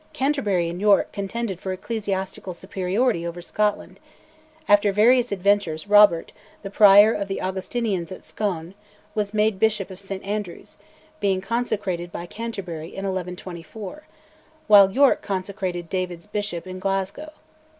Canterbury and York contended for ecclesiastical superiority over Scotland; after various adventures, Robert, the prior of the Augustinians at Scone, was made Bishop of St Andrews, being consecrated by Canterbury, in 1124; while York consecrated David's bishop in Glasgow.